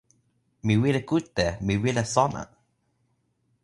mi wile kute! mi wile sona!